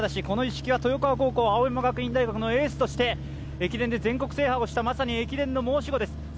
この一色は豊川高校、青山学院大学のエースとして駅伝で全国制覇をした、まさに駅伝の申し子です。